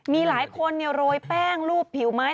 มีหลายคนโรยแป้งรูปผิวไม้